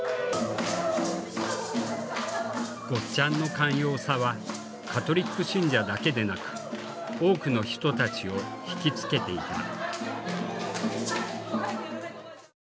ゴッちゃんの寛容さはカトリック信者だけでなく多くの人たちを惹きつけていた。